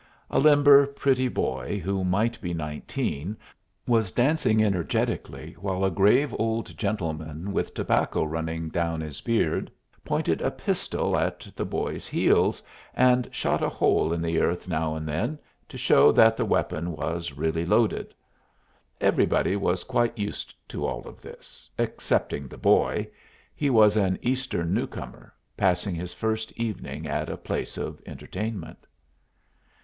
A limber, pretty boy, who might be nineteen, was dancing energetically, while a grave old gentleman, with tobacco running down his beard, pointed a pistol at the boy's heels, and shot a hole in the earth now and then to show that the weapon was really loaded. Everybody was quite used to all of this excepting the boy. He was an Eastern new comer, passing his first evening at a place of entertainment.